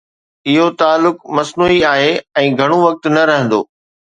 اهو تعلق مصنوعي آهي ۽ گهڻو وقت نه رهندو.